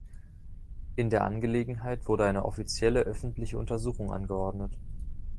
In der Angelegenheit wurde eine offizielle öffentliche Untersuchung angeordnet.